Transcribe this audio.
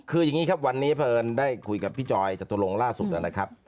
คืออย่างนี้ครับวันนี้เพราะเอิญได้คุยกับพี่จอยจตุลงล่าสุดนะครับ